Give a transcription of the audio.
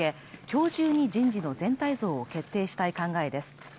今日中に人事の全体像を決定したい考えです